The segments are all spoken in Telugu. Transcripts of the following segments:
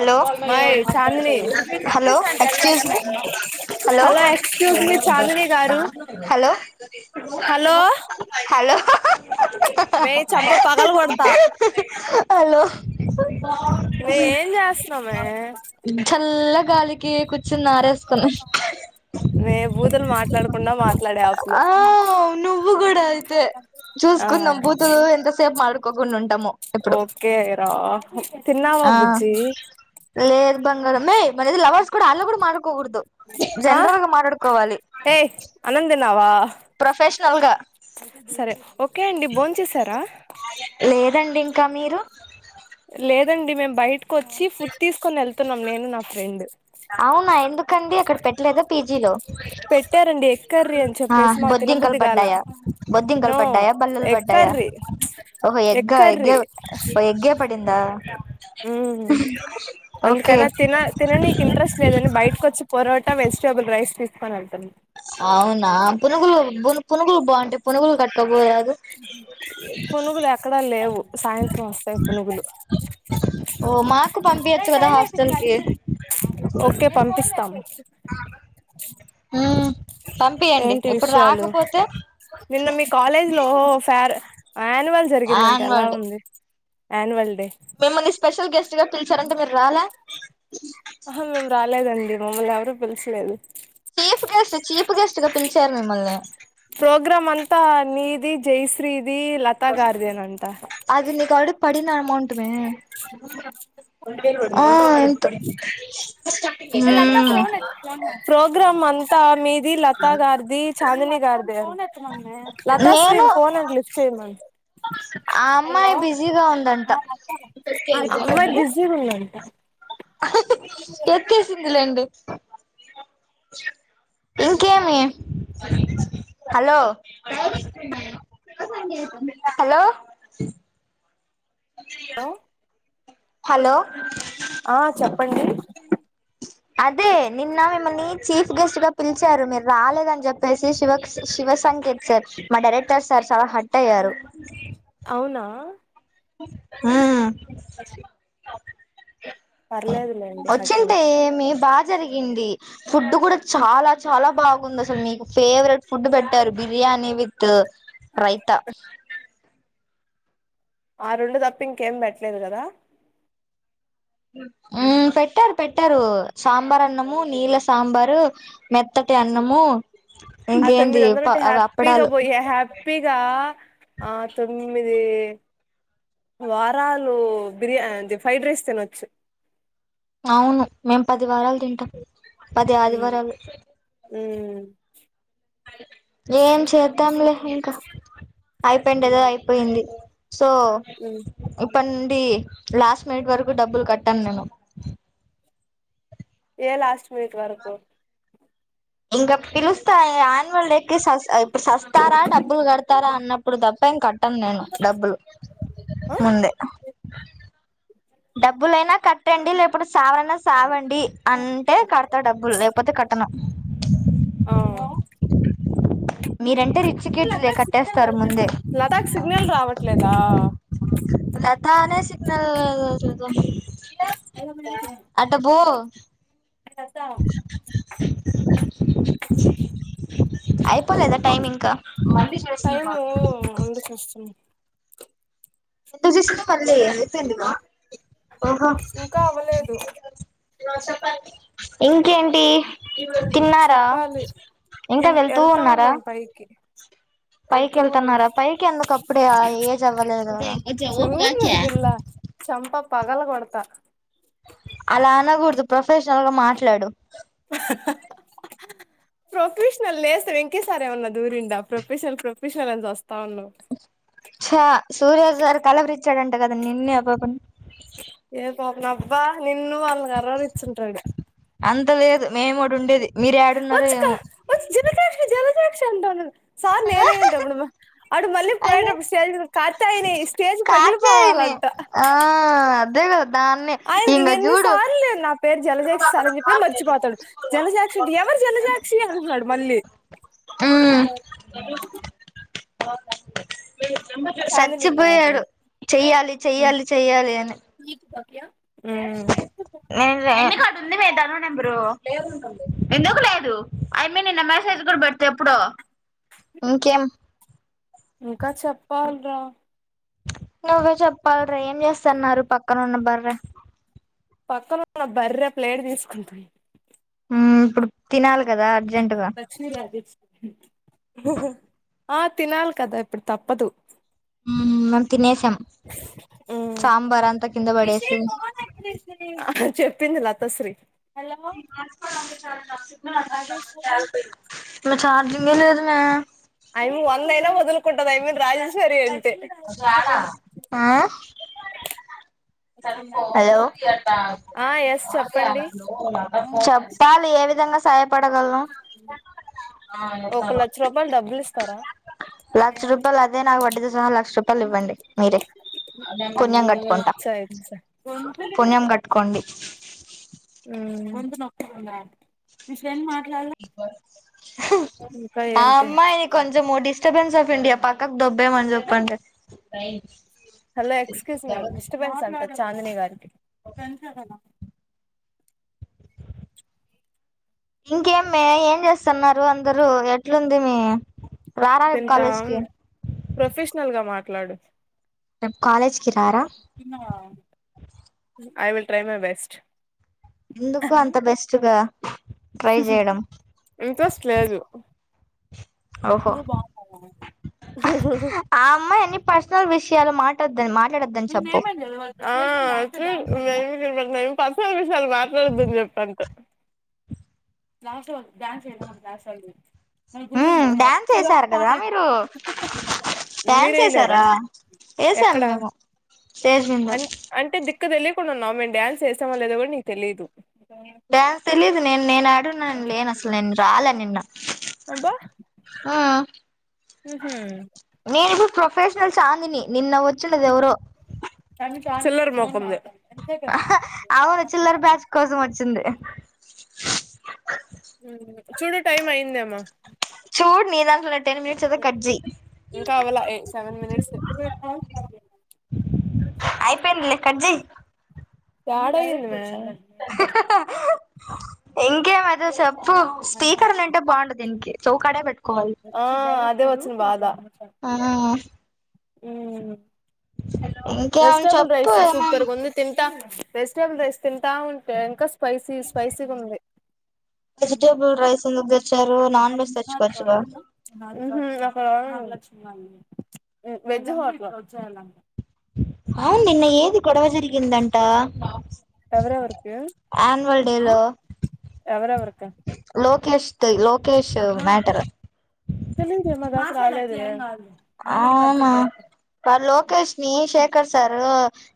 Hello my Chandini hello excuse me hello excuse me Chandini గారు హలో హలో రేయ్ చంప పగల్ కొడతా హలో వె ఏం చేస్నా వె చల్ల గాలికి కుచ్ చున్నా ఆరేసుకుని మే బూతులు మాట్లాడకుండా మాట్లాడే యాప్ లో ఆ నువ్వు కూడా అయితే ఆ చూసుకున్నాం బూతులు ఎంతసేప్ మాడు కోకోనుంట్ ఓకేరా తిన్న తిన్నావ ఆ బుజ్జి లేదు బంగారం మేయ్ మాది లవర్స్ కూడా అలా కూడా మాటాడు కో కూడ్దు ఆ జన్రల్గ మాట్లాడుకోవాలి నావా ప్రొఫెస్నల్గా భోం చేసారా లేదండి ఇంక మీరు లేదండి మేమ్ బయట్కి కొచ్చి ఫుడ్ తీసుకోనెల్ తున్నాం నేను నా ఫ్రెండ్ అవునా ఎందుకండి అక్కడ పెట్టలేద పీజీలో పెట్టారండి ఎగ్ కర్రీ అని ఆ చెప్పేసి మా బొద్దింకలు తినబుద్ధిగాల పడ్డాయా బొద్దింకలు నో పడ్డాయా బల్లలు ఎగ్ పడ్డాయా కర్రీ ప్చ్ ఓహో ఎగ్ ఎగ్గా ఎగ్గే కర్రీ ఓ ఎగ్గే పడిందా ఓకే అందుకని అది తిన తిననీకి ఇంట్రెస్ట్ లేదని బయ్ట్ కొచ్చి పొరాటా వెజిటేబుల్ రైస్ తీసుకుని వెళ్తున్న అవునా పునుగులు పున్ పునుగులు బాగుంటాయ్ పునుగులు గట్క్ పోయ్ రాదు పునుగులు ఎక్కడా లేవు సాయంత్రం వస్తయి పునుగులు ఓ మాకు పంపియచ్చు కదా హాస్టల్ కి ఓకే పంపిస్తాము. మ్మ్ పంపియండి ఇప్పుడు విషయాలు రాకపోతే యానివల్ జరిగింది అంట ఎలా ఆన్యువల్ డే ఉంది యాన్వల్ డే మిమ్మల్ని స్పెషల్ గెస్ట్ గా పిల్చారంట మీర్ రాలే ఆహా మేమ్ రాలేదండి మమ్మల్ని ఎవరూ పిల్సలేదు చ్చుగ పిలిచారు మిమ్మల్ని ప్రోగ్రాం అంతా నీది జైశ్రీ ది లతగారిదేనంటా పడి పడిన అమౌంట్ మే ఆ ఎంతొ ప్రోగ్రామ్ అంతా మీది లత గారిది చాందిని గారిది, అం నేను లతాశ్రీని ఫోన్ అంట లిప్ట్ చేయమను ఆ అమ్మాయి బిజీగా ఉందంట. అమ్మాయి బిజీగా ఉందంట ఎత్తేసింది లేండి ఇంకేమి హలో హలో హలో హలో ఆ చెప్ప చెప్పండి. అదే నిన్న మిమ్మల్ని చీఫ్ గెస్ట్ గా పిలిచారు మీరు రాలేదని చెప్పేసి శివ్ శివ సంకేత్ సార్ మా డైరెక్టర్ సార్ చాలా హట్ అయ్యారు. అవునా ఊ వచ్చింటే బాగుండు పర్లేదులేండి హట్ని వచ్చింటే ఏమీ బా జరిగింది ఫుడ్ కూడా చాలా చాలా బాగుంది అసలు మీకు ఫేవరెట్ ఫుడ్ పెట్టారు బిర్యానీ విత్ ట్రైత ఆ రెండు తప్పింకేం పెట్టలేదు కదా ఉ పెట్టారు పెట్టారు సాంబార్ అన్నము నీళ్ళ సాంబారు మెత్తటి అన్నము. ఆ ఇంకేంది తొమ్మిదందలు ఉంటే అవి హ్యాపీగా అప్పడాలు పోయి హ్యాపీగా ఆ తొమ్మిది వారాలు బిర్యా అది ఫ్రైడ్ రైస్ తినొచ్చు. అవును మేం పది వారాలు తింటం. పది ఆదివారాలు ఊ ఏం చేద్దాంలే ఇంక అయిపోయిందేదో అయిపోయింది. సో ఉమ్ చెప్పండి లాస్ట్ మినిట్ వరకు డబ్బులు కట్టను నేను ఏ లాస్ట్ మినిట్ వరకు ఇంగ పిలుసు స్తా యాన్యువల్ డేకి సస్ ఇప్పుడు సస్తారా డబ్బులు కడతారా అన్నప్పుడు తప్ప ఏం కట్టాను నేను డబ్బులు ఆ ముందే డబ్బులైనా కట్టండి లేకపోతే సావన్నా సావండి అంటే కడతా డబ్బులు లేకపోతే కట్టను. ఆ మీరంటే రిచ్ కిడ్స్ లే కట్టేస్తారు ముందే లతాక్ సిగ్నల్ రావట్లేదా లతనే సిగ్నల్ లేదా [unintelligible] ఇటికస్త అయిపోలేద టైమ్ ఇంకా మళ్ళీ చేసున్న బ టైము ఉండి చూస్తున్నా ఎంత చేసిన రెండైందిగా ఇంకా అవ్వలేదు. ఎవరు సేత్తారు ఉ ఇంకేంటి తిన్నారా చెప్పాలి ఇంకా తిన్ వెళ్తూ వెళ్తా ఉన్నారా. ఉన్నాం పైకి పైకి వెళ్తూ ఉన్నాం వెళ్తన్నారా పైకి ఎందుకప్పుడే ఆ ఏజ్ అవ్వలే చూడు నా పిల్ల చంప పగల కొడతా అలా అనకూడదు ప్రొఫెషనల్ గా మాట్లాడు ప్రొఫెషనల్ లేస్తం ఇంకేసారమన్నా దూరిండా ప్రొఫెషనల్ ప్రొఫెషనల్ అని వస్తా ఉన్నా చ సూర్యా గారు కలవరిచ్చాడంట కద నిన్నే ఆ పాప ని ఏ పాపం అబ్బా నిన్ను వాళ్ళని కలవరించుంటాడు అంత లేదు మేముటి ఉండేది మీరు ఏడున్నారో ఏమో క్ష ఉంటడి సార్ నేనే ఉంటాప్పుడమ్మా అడు మల్లిపోయటప్పుడుషల్ కాతాయినే ఇష్ట కాత్యాయని ఆ అదే కద ధాన్ ఆ ఎన్ని సార్ లే పేరు జలజాక్షి సార్ అని చెప్పిన మర్చిపోతాడు జలజాక్షి అంటే ఎవరు జలజాక్షి అంటున్నాడు మళ్ళీ బ చాందినితో చచ్చిపోయాడు మాట్లాడు చెయ్యాలి చెయ్యాలి చెయ్యాలి అని క్యా న ఎన్ని కాడు ఉంది వదాను నెంబరు ఎందుకు లేదు ఆ ఎమ్మీ నిన్న మెసేజ్ కూడా పెడితే ఎప్పుడో ఇంకా చెప్ప పాల్ర నువ్వే చెప్పాలరా ఏం చేస్తన్నారు పక్కన ఉన్న బర్రే పక్కన ఉన్న బర్ర ప్లేట్ తీసుకుంటాంది ఇప్పుడు తినాలే పచ్చి ర అది ఆ తినాలి కదా ఇప్పుడు తప్పదు మరి తినేసి కింద పడేసి హమ్ చెప్పింది లతశ్రీ హాట్స్పాట్ ఆన్ చాయ్ చల్ న రాజేశ్వరీ ఛార్జింగే లేదు మే అయి వందైనా వదులు కంట్ మీరు రాజేశ్వరి అంటే హలో ఆ ఎస్ చెప్పండి చెప్పాలి ఏ విధంగా సాయపడి ఒక లక్ష రూపాయలు డబ్బులు ఇస్తారా లక్ష రూపాయా అదే నాకు వడీతో సహా రూపాయలు ఇవ్వండి మీరే పుణ్యం మ్మ్ కట్టుకుంటా ఇచ్చా ఇచ్చా పుణ్యం కట్ కట్టుకోండి హమ్ మీ ఫ్రెండ్ మ్ ఇంకా ఆ ఏంటి అమ్మాయి కొంచం డిస్టర్బెన్స్ పిండి పక్కకు దొబ్బే మ చెప్పంట హలో ఎక్స్క్యూజ్మీ డిస్టర్బెన్స్ అంట చాందీని గారికి ఫ్రెండ్స్ ఎ కధ ఇంకేమ్మే ఏం చేస్తన్నారు అందరూ ఎట్లుంది మీ రారా రేపు తింటా కాలేజ్ కి ప్రొఫెషనల్ గా మ మాట్లాడు కాలేజ్ కి రారా తిన్నావా I will try my best ఎందుకు అంత బెస్ట్ గా ట్రై చేయడం ఇంట్రెస్ట్ లేదు ఓహో ఆ అమ్మాయన్ని పర్సనల్ విష్ [unintelligible] మాటోద్దని మా నిన్న ఏమైంది తెలవ [inaudible] నేను పర్సనల్ విషయాలు మాట్లాడదాని చెప్ప అంతే లాస్ట్ వన్ డాన్స్ చేయలే మన క్లాసోళ్ళు మ్మ్ డ్యాన్స్ ఏసారు కదా మీరు డ్యాన్స్ ఏసారా ఏసాం [unintelligible] మేము స్టేజ్ మింద క్క తెలియకుండున్నావు మేము డ్యాన్స్ చేసామో లేదో కూడా నీకు తెలీదు డ్యాన్స్ తెలిదు నేను నేను ఆడున్నాను లేను అసలు నేను రాలే నిన్న ఊ మ్మ్ హు ప్రొఫెషనల్ చాందిని నిన్న వచ్చిండదు ఎవరో చిల్లర్ మోఖంది అవును చిల్లరి బ్యాచ్ కోసం వచ్చింది. మ్మ్ చూడు టైం అయిందేమ్మో చూడ్ నీ దాన్ట్లోనే నెట్ టెన్ మినిట్స్ ఒక కట్ జెయ్ ఇంకా అవలా సెవెన్ మినిట్స్ అయిపోయిందిలే కట్ జెయ్ యాడయ్యింది మే ఇంకేం అయితే చెప్ ప్పు స్పీకర్ ఉన్నింటుంటే బాగుండు దీనికి చౌకాడే పెట్ ఓ అద్ అదే వచ్చును బాధా ఆ మ్మ్ ఇంకేం వెజిటేబుల్ చెప్పు రైస్ ఏమైనా సూపర్గా వుంది తింటాం వెజిటేబుల్ రైస్ తింటా ఉంటే ఇంకా స్ స్పైసీ స్పైసీగా ఉంది మ్ వెజిటేబుల్ రైస్ ఎందుకు తెచ్చారు నాన్ వెజ్ తెచ్చుకోవచ్చుగా హ్మ్ ఒక వారం వెజ్ హో అవును నిన్న ఏది గొడవ జరిగిందంట ఎవరెవరు కి యాన్యువల్ డే లో ఎవరెవరుకి కష్టం లో కేష్ మ్యాటరు [unintelligible] అవునా గా లోకేష్ ని శేఖర్ సారు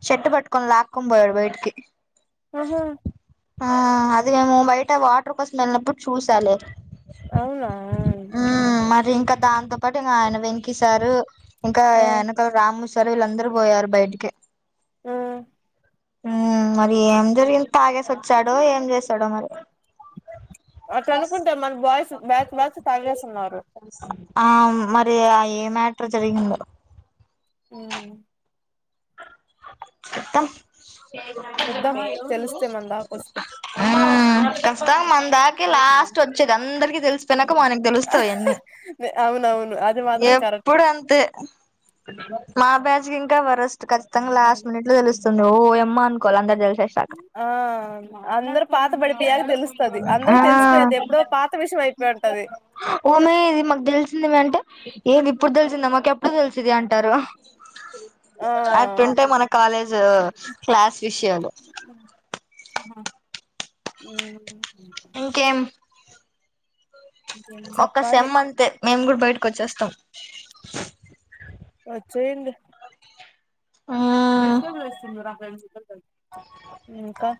షర్ట్ పట్టుకొని లాక్కొని పోయాడు బయటకి ఆహ ఆ అది మేము బయట వాటర్ కోసం వెళ్లినప్పుడు చూసాలే అవునా మ్మ్ మరి ఇంకా దాంతో పాటు ఇంగ ఆయన వెం కీ సారు ఇంకా ఆ వెనకాల రాము స్ సరు వీళ్ళందరూ పోయారు బయటికి ఆ హుమ్మ్ మరి ఏం జరిగింది తాగేసి వచ్చాడో ఏం చేసాడో మరి అటు అనుకుంటే మన బాయ్స్ బ్యాచ్ బ్యాచ్ తాగేస్తున్నారు ఆ మరి ఆ ఏ మ్యాటర్ జరిగిందో హుమ్ ఎత్తం చూద్దామ తెలుస్తయ్ మనదాక ఒస్తే హుమ్మ్ కష్ట మ నాకే లాస్ట్ ఒచ్చేది అందరికి తెలిసిపోయినాక మనకి తెలుస్తాయి అన్నీ అవునవును అది మాత్రం కరెక్ట్ ఎప్పుడు అంతే మా బ్యాజ్ ఇంకా ఇంక వరస్ట్ కస్ట్ తంగా లాస్ట్ మినిట్ లో తెలుస్ ఓ ఎమ్మ అనుకోవాలి అందరు కలి చేసాక ఆ అందరు పాత పడిపోయాక తెలుస్తది అందరు ఆ తెలిసిపోయది ఎప్పుడో పాత విషయం అయిపోయి ఉంటది ఓ మే ఇది మాకు తెలిసింది మే అంటే ఏది ఇప్పుడు తెల్సిన్దా మాకు ఎప్ మాకు కూడ తెల్సింది అంటారు ఆ అట్టుంటాయి మన కాలేజ్ క్లాస్ విషయాలు హుమ్ ఇంకేం ఒక్క చెప్పాలి సెమ్ అంతే మేము కూడా బయట్ కొచ్చేస్తాం వచ్చెయ్యండి ఆ ఇంకా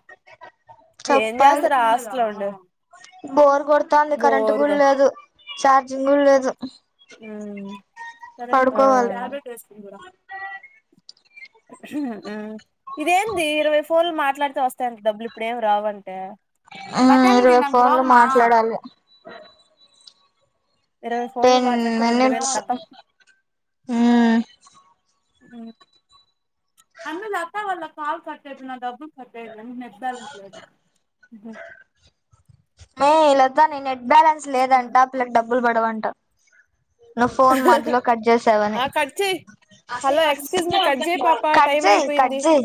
ఏం చెప్పాలి చేస్తారు హాస్టల్ లో ఉండి బోర్ కొడతాంది కరెంట్ కూడా బోరుగా లేదు ఛార్జింగ్ కూడా లేదు హుమ్మ్ ఆ పడుకోవాలి హుమ్మ్ ఇదేంది ఇరవై ఫ్ ఫోన్లు మాట్లాడితే వస్తాయంట డబ్బులు ఇప్పుడేం రావంటే ఆ ఇరవై ఫోన్లు మాట్లాడాలి ఇరవై ఫోన్లు టెన్ మాట్లాడితే రొండు వేలు మినిట్స్ కతం మ్మ్ అమలత్త వాళ్ల్ళ కాల్ కట్టేదిన డబ్బు సత్త నెట్ బాలన్స్ లేదు బ్యాలన్స్ లేదంట పిల్లకి డబ్బులు బ ఇవంట నువ్వు ఫోన్ మధ్యలో కట్ చేసావని ఆ కట్ చెయ్ హలో ఎక్స్క్యూజ్ మీ కట్ చేయి పాప కట్ టైం చేయి కట్ అయిపోయింది చేయి